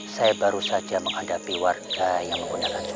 saya baru saja menghadapi warga yang menggunakan